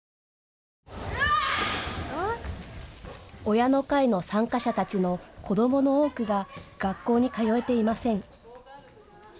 親の会の参加者たちの子どもの多くが学校に通えていません。